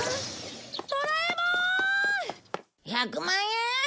１００万円？